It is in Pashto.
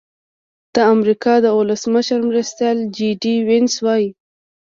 د امریکا د ولسمشر مرستیال جي ډي وینس وايي.